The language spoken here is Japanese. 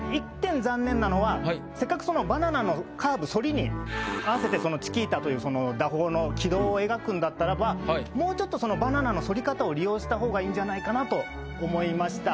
せっかくバナナのカーブ反りに合わせてチキータという打法の軌道を描くんだったらばもうちょっとバナナの反り方を利用した方がいいんじゃないかなと思いました。